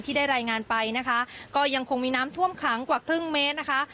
ได้รายงานไปนะคะก็ยังคงมีน้ำท่วมขังกว่าครึ่งเมตรนะคะ